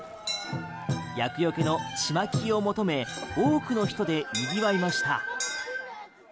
厄除けのちまきを求め多くの人でにぎわいました。